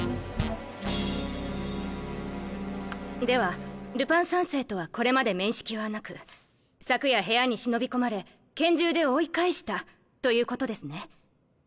ではルパン三世とはこれまで面識はなく昨夜部屋に忍び込まれ拳銃で追い返したということですね？